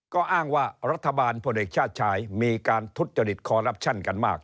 ก็อ้างว่ารัฐบาลพลเอกชาติชายมีการทุจริตคอรัปชั่นกันมาก